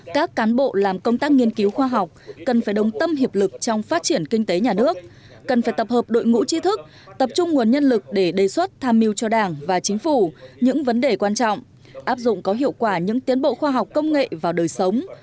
các cán bộ làm công tác nghiên cứu khoa học cần phải đồng tâm hiệp lực trong phát triển kinh tế nhà nước cần phải tập hợp đội ngũ trí thức tập trung nguồn nhân lực để đề xuất tham mưu cho đảng và chính phủ những vấn đề quan trọng áp dụng có hiệu quả những tiến bộ khoa học công nghệ vào đời sống